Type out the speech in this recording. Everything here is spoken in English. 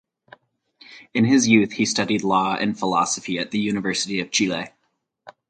In his youth he studied law and philosophy at the University of Chile.